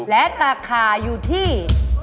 และราคาอยู่ที่